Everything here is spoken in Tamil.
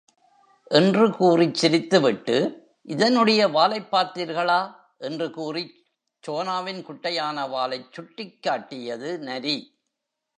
? என்று கூறிச் சிரித்து விட்டு, இதனுடைய வாலைப் பார்த்தீர்களா? என்று கூறிச் சோனாவின் குட்டையான வாலைச் சுட்டிக்காட்டியது நரி.